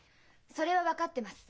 それは分かってます。